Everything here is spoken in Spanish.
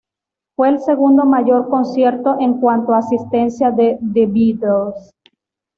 Fue el segundo mayor concierto en cuanto a asistencia de The Beatles.